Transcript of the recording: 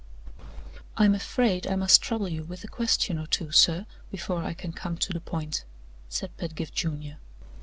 "I am afraid I must trouble you with a question or two, sir, before I can come to the point," said Pedgift Junior.